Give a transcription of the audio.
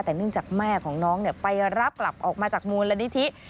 แต่เนื่องจากแม่ของน้องไปรับกลับออกมาจากมูลนิธิ